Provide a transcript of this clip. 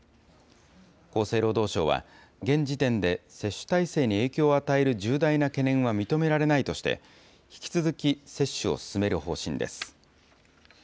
厚生労働省は、現時点で接種体制に影響を与える重大な懸念は認められないとして、引き続き接種を進める方針です。